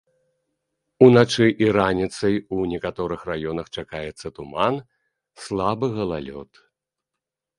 Уначы і раніцай у некаторых раёнах чакаецца туман, слабы галалёд.